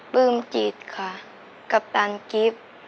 ปลื้มจิตค่ะกัปตันกิฟต์